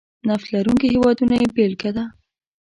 نفت لرونکي هېوادونه یې بېلګه ده.